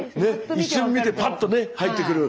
一瞬見てパッとね入ってくる。